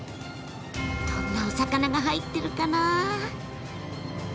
どんなお魚が入ってるかな？